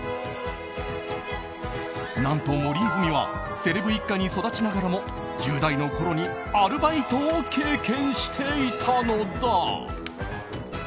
何と、森泉はセレブ一家に育ちながらも１０代のころにアルバイトを経験していたのだ。